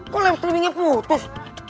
kok live streamingnya putus